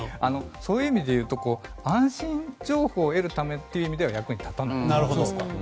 そういう意味で言うと安心情報を得るためという意味では役に立たなくて。